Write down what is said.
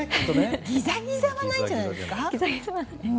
ギザギザはないんじゃないですか？